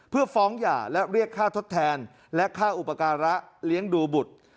เพื่อฟ้องหย่าและเรียกค่าทดแทนและค่าอุปการะเลี้ยงดูบุตร